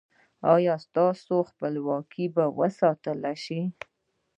ایا ستاسو خپلواکي به وساتل شي؟